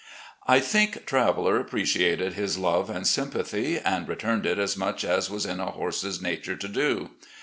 I think Traveller appreciated his love and sympathy, and rettnned it as much as was in a horse's nature to do.